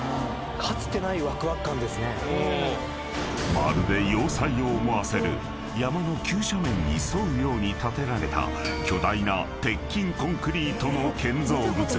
［まるで要塞を思わせる山の急斜面に沿うように建てられた巨大な鉄筋コンクリートの建造物］